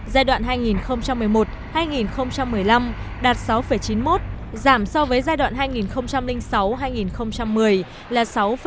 giai đoạn hai nghìn một mươi một hai nghìn một mươi năm đạt sáu chín mươi một giảm so với giai đoạn hai nghìn sáu hai nghìn một mươi là sáu tám